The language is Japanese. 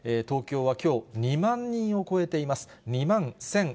東京はきょう、２万人を超えています。